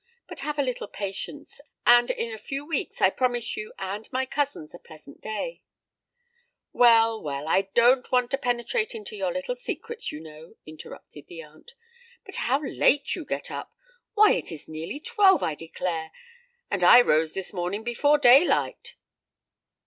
But have a little patience—and, in a few weeks, I promise you and my cousins a pleasant day——" "Well, well—I don't want to penetrate into your little secrets, you know," interrupted the aunt. "But how late you get up. Why, it is near twelve, I declare; and I rose this morning before day light."